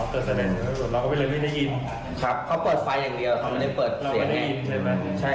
อ๋อเขาเปิดไซเรนด์เราก็ไม่ได้ยิน